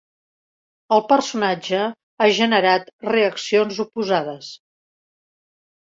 El personatge ha generat reaccions oposades.